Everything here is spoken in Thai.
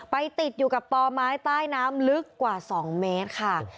ติดอยู่กับต่อไม้ใต้น้ำลึกกว่า๒เมตรค่ะ